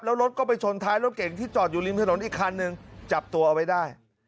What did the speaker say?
แล้วรถก็ไปชนท้ายรถเก่งที่จอดอยู่ริมถนนอีกคันหนึ่งจับตัวเอาไว้ได้